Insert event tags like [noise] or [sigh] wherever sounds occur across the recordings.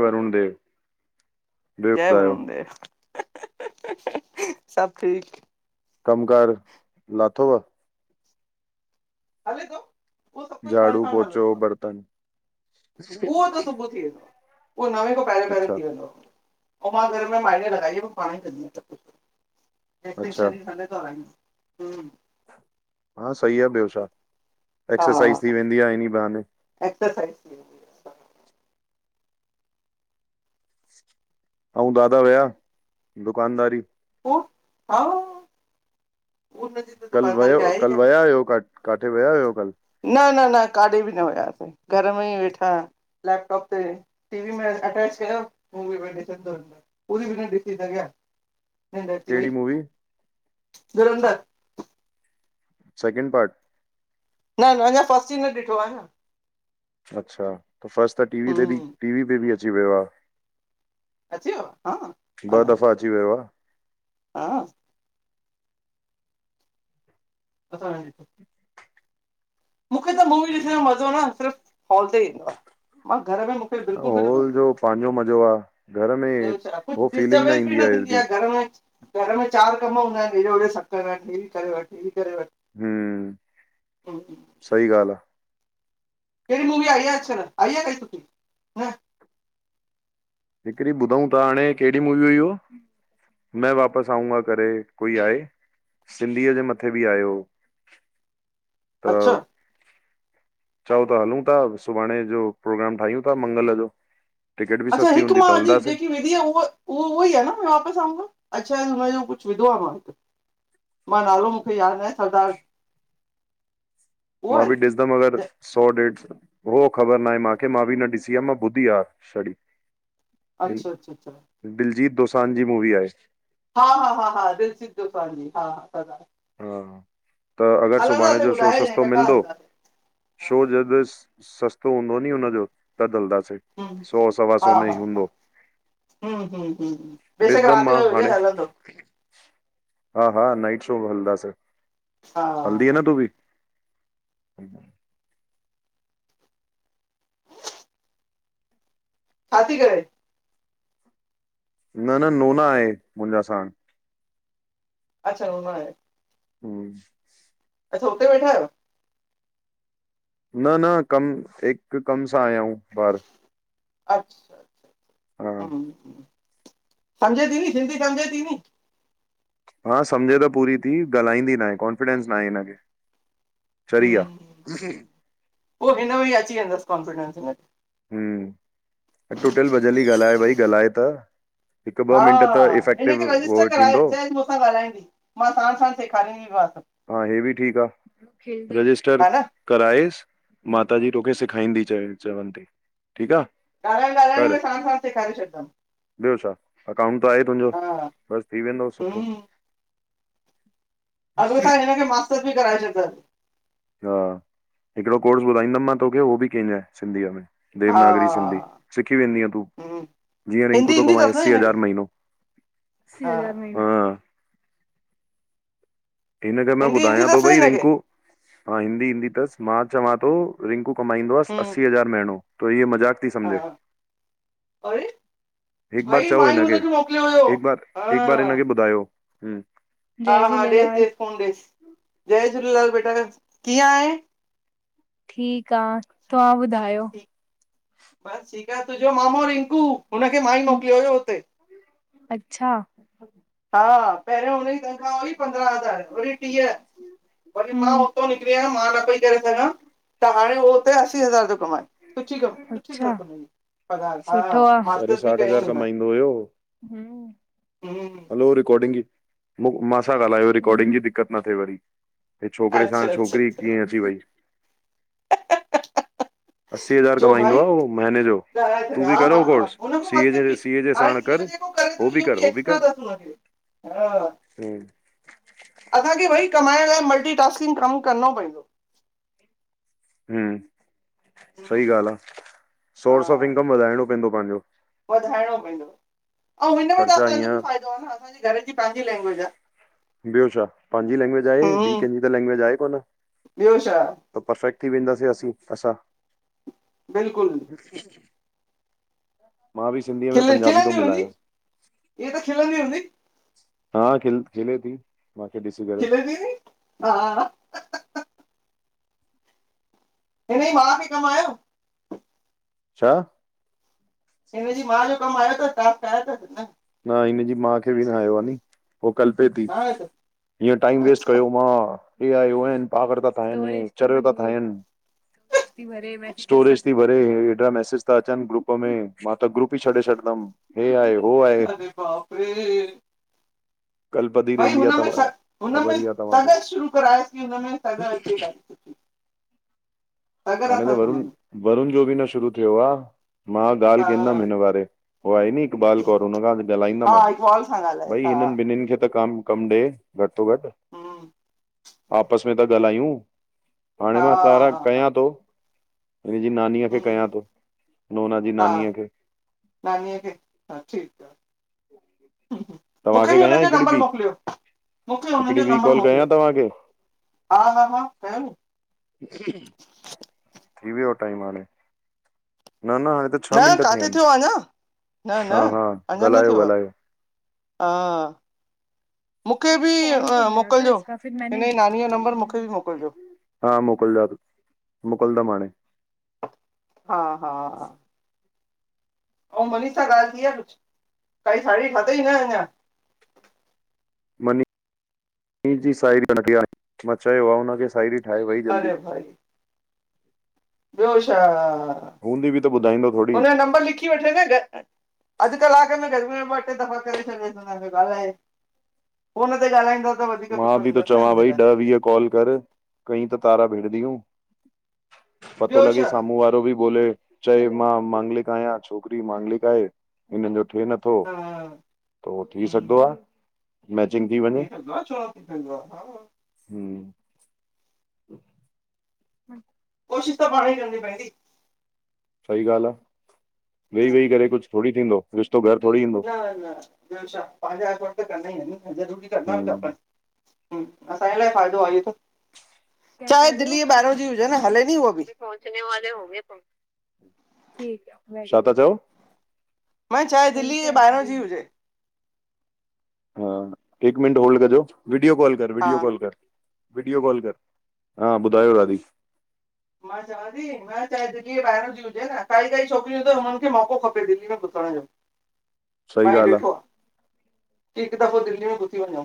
वरुण देव ॿियो जय ॿुधायो वरुण देव सब ठीक। अथोव [unintelligible] हले तो उहो सुबु सांड झाड़ू सांड पोचो हलंदो आह। बर्तन उहो त सुबु उथी वेंदो आह। उहो नवें खां पहिरियों पहिरियों अच्छा उथी वेंदो आ। मां घर में माइ न लॻाई पाण ई कंदी आ सब कुछ। हिकु अच्छा पेशानी खडे थोर हम [inaudible] हा सइ आह ॿियो छा। आहियां एक्सरसाइज़ थी हा वेंदी आहे इन्ही बहाने। एक्सरसाइज थी वेंदी आहे अऊं दादा वया दुकानदारी ई आ हुनजी त कल दुकानदारी वयव आहे कल वया हुयव काथे वया हुयव? न न न काॾे बि न वयासे। घर में ई वेठा से। लैपटॉप ते टीवी में अटैच कयो मुवी [unintelligible] पुरी बि न ॾिसी सघिया। नींॾ अच्ची कहिड़ी वई। मूवी [inaudible] सेकेंड पार्ट न-न अञा फस्टॅ आ न ॾिठो आहेन। अच्छा त फर्स्ट त टीवी ते बि टीवी ते बि अची वयो आह। अची वियो हा, ॿ ॻाल्हायो दफ़ा अची वयो आह। हा अल [inaudible] मूंखे त मूवी ॾिसण में मज़ो न सिर्फ़ हॉल ते ईंदो आह। घर में मूंखे बिल्कुल बि न हॉल पसंद। जो पंहिंजो मज़ो आहे घर में ॿियो छा। हो फीलिंग कुछडिस्टबेंस बि ईंदी न थींदी हेॾी आहे घर में घर में चार कम इोड़ सकर वटी कल वटी [inaudible] हूं सइ ॻाल्ह आह। केहड़ी मुवी आई आ अजकल? आई आ काई सुठी न? हिकड़ी ॿुधऊ था हाणे केहड़ी मूवी हुई उह? मै वापस आऊंगा करे कोई आहे सिंधीअ जे मथे बि आयो। [inaudible] त अच्छा, चओ त हलूं था। सुभाणे जो प्रोग्राम ठाहियूं था मंगल जो। टिकट बि अच्छा सस्ती हिकु हूंदी मां त अॼु हलंदासीं जेकी विडियो उह उहो उहो ई आहे न मैं वापिस आऊंगा? अच्छा हुनजो कुछ विधो आ मां। मां नालो मूंखे याद नाहे सरदार [inaudible] उहो मां आहे? बि ॾिस दम अगर सौ ॾेड होअ ख़बर न आहे मूंखे। मां बि न ॾिसी आह। मां ॿुधी आहे छड़ी। अच्छा-अच्छा -अच्छा दोसान जी मूवी आहे। हा-हा हा-हा दिलजित दोसान जी हा [unintelligible] हा त अगर सुभाणे हलंदासीं जो शो ॿुधाइजांइ सस्तो कठा मिलंदो हलंदासीं हा शो ज सस्तो हूंदो नी हुनजो त हलंदासीं सौ सवा सौ में ई हूंदो हूं हूं बेशक ॾिसंदमि राति मां जो वज हाणे हलंदो हा हा नाइट शो हलंदासीं हा हलंदी न तूं बि छा थी करे न नून आहे मुंहिंजा साणु अच्छा उहो न आहे हूं अच्छां हुते वेठा आहियो न न कम हिकु कम सां आया हऊं ॿाहर अच्छा हूं सम्झे थी नी सिंधी सम्झे थी नी हा सम्झे त पूरी थी ॻाल्हाईंदी ना आहे कॉन्फिडेंस ना आहे हिनखे चरी हूं आहे हो हिन में ही अची वेंदसि कॉन्फिडेंस हिन हूं टुटल भजल ई ॻाल्हाए भई ॻाल्हाए त हिकु ॿ हा मिंट त इफेक्टिव हिनखे रजिस्टर उहो कराए अ थींदो चां मूंसां ॻाल्हाईंदी मां सणु साणणु सेखारींदी सब हा हे बि ठीकु आहे रजिस्टर हा न कराएाएस माता जी तोखे सेखाईंदी च चवनि थी ठीकु आहे ॻाल्हाइणु ॻाल्हाइण कर में साणु साणु सेखारे छॾंदुमि ॿियो छा अकाउंट त आहे तुंहिंजो बसि थी वेंदो सुठो अॻिले साल हिनखे मास्टर बि कराए छॾिदवस हा हिकिड़ो कोर्स ॿुधाईंदमि मां तोखे उहो बि कंहिंजे सिंधीअ में देवनागरी सिंधी हा सिखी वेंदी तूं हम्म, जीअं रिंकू हिंदी थो ईंदी कमाए अथसि न असी हिनखे, हज़ार महीनो असी हा हज़ार हा हिनखे मां हिंदी ईंदी ॿुधायां थो अथसि न भई हिनखे, रिंकू हा हिंदी ईंदी अथसि मां चवां थो रिंकू कमाईंदो आहेस हम्म असी हज़ार महीनो त इ मज़ाक म थी हा सम्झे अरे हिकु बार भाई चओ मां ई हिन हुनखे मोकिलियो हुयो, खे बार हा हिकु बार हिन खे ॿुधायो हूं हा जय हा ॾेसि झूलेलाल ॾेसि फोन ॾेस जय झूलेलाल बेटा कीअं आहे ठीकु आ तव्हां ॿ ठीक बस ठीकु आहे तुंहिंजो मामो रिंकू हुनखे मां ई मोकिलियो हुयो हुते अच्छा हा पहिरियों हुनजी तनखा वरी पंद्रहं हज़ार वरी टीह वरी मां उतो निकरी आयमि मां न पई करे सघां त हाणे उहो हुते असी हज़ार थो कमाए सुठी कमु सुठी [unintelligible] हा साढे मास्टर बि साठ कयई हज़ार हुन कमाईंदो हुयो हो रिकारर्डिंग जी मासां ॻाल्हायो रिकारर्डिंग जी दिकत न थिए वरी हे छोकिरे अच्छा सां अच्छा छोकिरी अच्छा कीअं अची वई? ह असी हज़ार कमाईंदो आ उहो महीने जो ॻाल्हाए तूं छॾियो बि हा कर उहो हा कोर्स हुन खां सीए मथे जे बि सीए जे हाणे साण कर इहो जेको करे थो हो बि इहो कर हो बि एक्स्ट्रा कर अथसि हुनखे हा हम्म असांखे भई कमाइण लाइ मल्टीटास्किंग कमु करणो पवंदो हूं सी हम्म, ॻाल्हि आ हा सोर्स ऑफ इनकम वधाइणो पवंदो पंहिंजो आऊं हिनमें त ख़र्चा असांजो बि ईअं फ़ाइदो आहे न असांजे घर जी पंहिंजी लैंग्वेज आ ॿियो छा पंहिंजी लंग्वेज आहे ॿिए कंहिंजी त लैंगवेज आहे कोन ॿियो छा परफेक्ट थी वेंदासीं असीं असां बिल्कुलु मां बि सिंधीअ में खिल पंजाबी थो खलंदी हूंदी मिलायां हीअ त खलंदी हूंदी हा खिल खिले थी। मांखे ॾिसी करे छिल दीदी हा दीदी मा थी कमायां छा कम आयो तवहां चाहियो था न हिनजी माउ खे बि न आयो आहे न पोइ कलपे थी न आयो त हीअं टाइम वेस्ट अच्छा कयो मां पागल था ठाहिनि चरियो था ठाहिनि स्टोरेज थी भरे हेॾा मैसेज था अचनि ग्रुप में मां त ग्रुप ई छॾे छॾंदसु हे आहे हो आहे भाभी कलपदी भई रहंदी आहे हुनमें तव्हां ख़बर हुनमें ई आहे तव्हांखे त शुरू कराइसि की हुनमें अचे कॾहिं सुठी सगर हाणे त अथसि हुन वरुण में वरुण जो बि न शुरू थियो आहे मां ॻाल्हि हा कंदमु हिन बारे। उहा आहे न इकबाल हम्म, कौर हुनखां त हा ॻाल्हाईंदमि अॼु इकबाल सां ॻाल्हायसि भई हा हिनन। त कम ॾे घटि में घटि हम्म, आपस में त ॻाल्हायूं। हाणे हा मां हा कारां हा कयां थो हिन जी नानीअ खे कयां हम्म, थो नोना जी हा नानीअ खे नानीअ खे हा ठीकु आहे मुखे तव्हांखे बि हुननि कयां जो हिकिड़ी नंबर ॿी मोकलियो मुखे हुननि जो हिकिड़ी ॿी नंबर कॉल मोकिलियो। कयां तव्हांखे हा हा [unintelligible] थी वयो टाइम हाणे न न हाणे त छह न मिंट थिया किथे आहिनि थियो आहे अञा न न हा हा अञा न ॻाल्हायो थियो आहे ॻाल्हायो। हा मूंखे बि फॉम त भरियो हो हिन मोकिलिजो जो फिर मां हिन जी नानी जो नंबर मूंखे बि मोकिलिजो चयो हा [unintelligible] मोकलींदमु हाणे हा हा ओ मनीषा सां ॻाल्हि थी आहे कुछ काई साड़ी पातईं न अञा। मनी जी सयारी खे चयो आहे हुन खे। ठाहे वई जल्दी। अरे भाई ॿियो छा हूंदी बि त ॿुधाईंदो थोरी हुनजो नंबर लिखी वठे न अधु कलाक में घर में ॿ टे दफ़ा करे छॾ ॻाल्हाए फोन ते ॻाल्हाईंदो। त वधीक मां सुठो बि त ईंदो न चवां हिन जे भई ॾह वीह कॉल कर कई त तारा भेट ॾूयू। लाइ पतो ॿियो लॻे छा साम्हूं वारो बि बोले चवे। मां मांगलिक आहियां छोकरी मांगलिक आहे हिननि हा जो। थी सघदो हम्म आहे मैचिंग थी वञे। [unintelligible] हम [inaudible] कोशिश त पाणई करणी पवंदी। सही ॻाल्हि आहे वेई वेई करे कुछ थोड़ई थींदो। रिश्तो घर थोरी ईंदो न न ॿियो छा पंहिंजा करणो ई आहे न ज़रूरी करणा बि खपनि हम असांजे लाइ फ़ायदो आहे न। क्या चाहे कह रहे हो दिल्ली जे ॿाहिरां जी हुजे हले नी उहा बि अभी पहुंचने वालें होंगे तुम। [unintelligible] छा था चओ? मां चाहियां थी त दिल्ली जे ॿाहिरा जी हुजे। हा हिकु मिंट होल्ड कजो वीडियो कॉल कर हा वीडियो कॉल कर। वीडियो कॉल कर हा ॿुधायो दादी। मां चवां थी मां चाहियां थी दिल्ली जे ॿाहिर जी हुजे न काई छोकिरियूं त हुननि खे मौक़ो खपे [unintelligible] [unintelligible] सही मां ही ॻाल्हि ॾिठो आहे आहे हिकु दफ़ो दिल्ली में [unintelligible] घुसी वञो।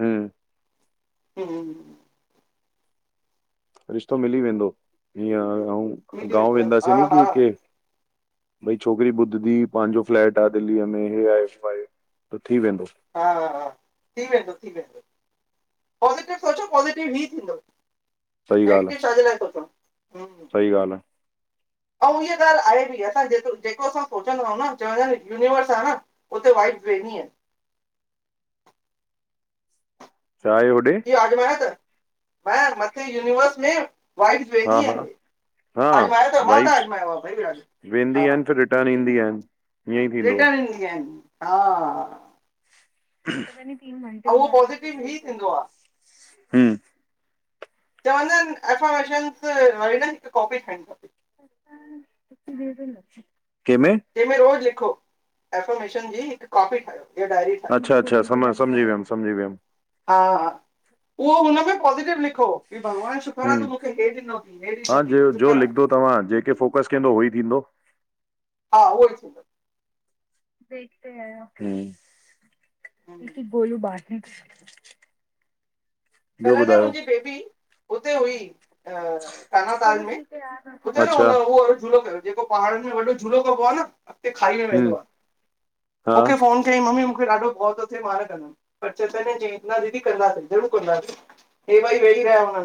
हम हम रिश्तो मिली वेंदो हीअं ऐं गांव वेंदो वेंदासीं हा न। हा हा भई छोकिरी ॿुधंदबी पंहिंजो फ्लेट आहे दिल्लीअ में हे आहे। थी वेंदो हा हा हा थी वेंदो थी वेंदो। पॉज़िटिव सोचियो पॉज़िटिव ई थींदो सही ॻाल्हि नैगेटिव आहे छाजे लाइ था सोचियो। सही ॻाल्हि आहे अहु उहा ॻाल्हि त आहे असां जेको सोचींदा आहियूं चवंदा यूनिवर्स आहे न हुते। [unintelligible] छा आहे होॾे। आजमायो त मथे यूनिवर्स में वाइट [unintelligible] हा हा आहे। हा आजमयो मां त वाइब्स आजमायो आहे भाई हा वेंदी आहिनि फिर रिटर्न ईंदी आहिनि ईअं ई थींदो र्रिटन ईंदयूं आहिनि ऐं उहो पॉज़िटिव ई थींदो आहे [unintelligible] हम चवंदा आहिनि एफॉर्मेशनस वारी हिकु कॉपी ठाहिण घुरजे [unintelligible] जंहिंमें रोज़ु लिखो एफर्मेशन जी हिकु कॉपी ठाहियो हीअ डायरी ठाहियो अच्छा अच्छा सम सम्झी वियमि सम्झी वियमि [inaudible] हा हा [inaudible] उहो हुन में पॉज़िटिव लिखो। भॻवानु शुकर आहे हम्म तूं मूंखे हे ॾिनो अथई हे ॾिनो हा अथई जो जो शुखर आहे [inaudible] लिखंदो तव्हां जेके फोकस कंदो उहो ई थींदो हा उहो ई थींदो पेट ते [inaudible] हम्म। की गोलू बार [unintelligible] कल् त मुंहिंजी बेबी हुते हुई तरण ताल में हुते न अच्छा हुन उहो झूलो कयो जेको पहाड़नि में वॾो झूलो कबो आहे न अॻिते खाई में हम्म वेंदो आहे हा मूंखे फ़ोन कयईं मम्मी ॾढो डप थो थिए मां न कंदमु पर चयईं न दीदी कंदासे [unintelligible] वेही रहिया हुआ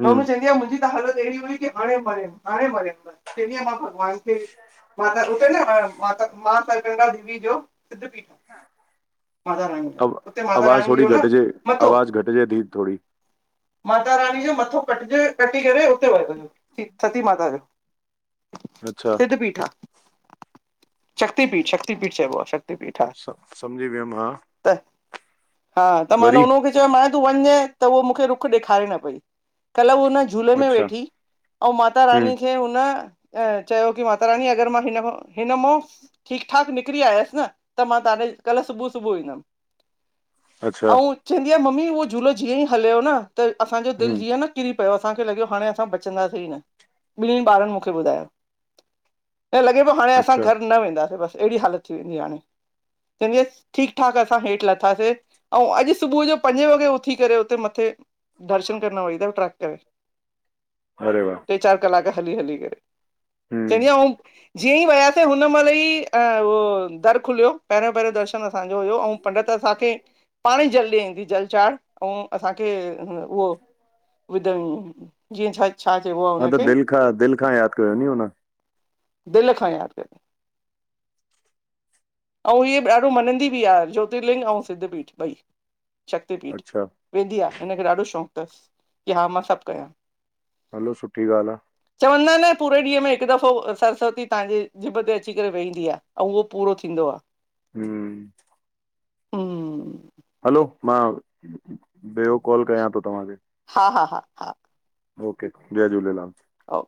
हम्म चवंदी आहे मुंहिंजी हालत अहिड़ी हुई त हाणे मारे हाणे मारे चइंदी हुअम मां भॻवान खे माता उते न माता गंगा देवी जो सिध पीठ आहे माता रानी जो अब उते माता आवाज़ रानी थोरी जो न घटिजे मथो आवाज़ घटिजे थी थोरी माता रानी जे मथो कटिजी करे उते पियो सती माता जो अच्छा सिध पीठ आहे शक्ति पीठ शक्ति पीठ चइबो आहे। पीठ आ समझी वियमि मां त हा त मान हुन खे चयो तूं वञ त हू मूंखे रुख ॾेखारे न पई कल झूले में अच्छा वेठी ऐं माता हम्म रानी खे हुन ऐं चयो कि माता रानी अगरि मां हिनमां ठीकु ठाकु निकिरी आयसि न त मां तव्हां कल सुबुह जो ईंदमु अच्छा एऐं चवंदी आहे मम्मी उहो झूलो जीअं ई हलियो त असांजो दिलि हम्म जीअं निकिरी पहिंरियो असांखे लॻो हाणे असा बचंदासीं ई न ॿिनही ॿारनि मूंखे ॿुधायो। लॻे पियो हाणे असां अच्छा घर न वेंदासीं बस अहिड़ी हालति थी वेंई हाणे ठीकु ठाकु असां हेठि लथासीं ऐं अॼु सुबुह जो पंजे वॻे उथी करे उते मथे दर्शन करण वई त ट्रैक करे अरे वाह टे चार कलाक हली हली करे हम्म चयहूं जीअं ई वियासीं हुन महिल ई दर खुलियो पहिरियों पहिरियों दर्शन असांजो हुयो पंडत असांखे पाण जल ॾिनईं कि जल चाढ़ असांखे उहो विधो जीअं छा चइबो आहे हा त हुनखे दिलि खां दिलि खां यादि कयो हुन दिल खां यादि करे ऐं इहो ॾाढो मञंदी बि आहे ज्योतिर्लिंग ऐं सिद्धपीठ ॿई शक्ति पीठ अच्छा वेंदी आहे हिनखे ॾाढो शौक़ु अथसि की हा मां सभु कयां हलो सुठी ॻाल्हि आहे। चवंदा आहिनि न त ॾींहं में हिकु दफ़ो सरस्वती तव्हांजे ॼिभ ते अची करे वेहंदी आहे ऐं उहो पूरो थींदो आहे हम हम हलो मां ॿियो कॉल कयां थो तव्हांखे हा हा हा हा ओके जय झूलेलाल ओके